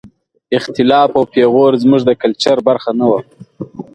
اختلاف او پېغور زموږ د کلچر برخه نه وه.